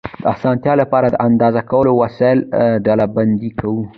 د اسانتیا لپاره د اندازه کولو وسایل ډلبندي کوو.